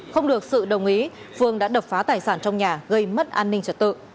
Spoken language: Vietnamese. không được sự đồng ý phương đã đập phá tài sản trong nhà gây mất an ninh trật tự